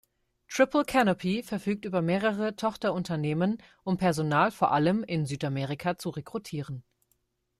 Triple Canopy verfügt über mehrere Tochterunternehmen, um Personal vor allem in Südamerika zu rekrutieren.